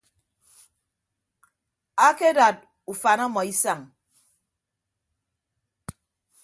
Akedad ufan ọmọ isañ.